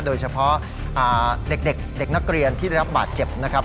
โดยเฉพาะอ่าเด็กเด็กเด็กนักเรียนที่ได้รับบาดเจ็บนะครับ